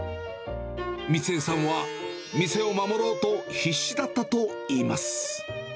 三江さんは店を守ろうと、必死だったといいます。